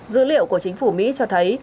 dữ liệu của chính phủ mỹ cho thấy